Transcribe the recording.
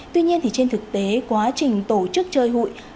tuy nhiên thì trên thực tế quá trình tổ chức chơi hụi